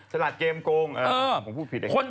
สลัดเกมโกงผมพูดผิดเอง